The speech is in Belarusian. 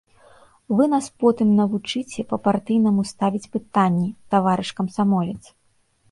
Вы нас потым навучыце па-партыйнаму ставіць пытанні, таварыш камсамолец!